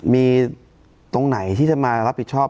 มีตรงไหนที่จะมารับผิดชอบ